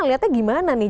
nah lihatnya gimana nih